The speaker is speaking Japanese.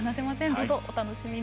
どうぞお楽しみに。